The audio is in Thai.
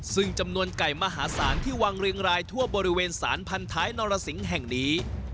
ซึ่งจำนวนไก่มหาศาลที่วางเรียงรายทั่วบริเวณสารพันท้ายนรสิงห์แห่งนี้